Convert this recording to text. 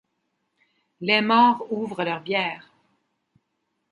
Les morts ouvrent leur bière.